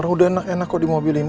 udah enak enak kok di mobil ini